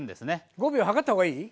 ５秒計った方がいい？